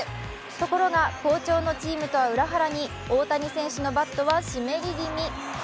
ところが好調のチームとは裏腹に、大谷選手のバットは湿り気味。